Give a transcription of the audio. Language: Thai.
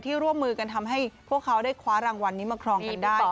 ร่วมมือกันทำให้พวกเขาได้คว้ารางวัลนี้มาครองกันได้